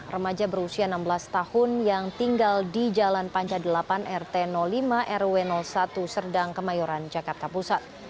remaja berusia enam belas tahun yang tinggal di jalan panca delapan rt lima rw satu serdang kemayoran jakarta pusat